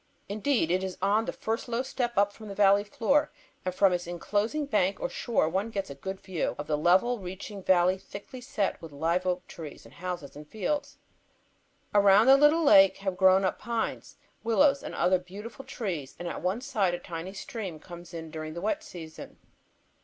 Indeed, it is on the first low step up from the valley floor, and from its enclosing bank or shore one gets a good view of the level, reaching valley thickly set with live oak trees and houses and fields. Around the little lake have grown up pines, willows and other beautiful trees, and at one side a tiny stream comes in during the wet season.